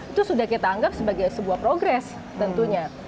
itu sudah kita anggap sebagai sebuah progres tentunya